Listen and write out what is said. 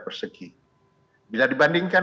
persegi bila dibandingkan